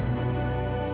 bukan dia pak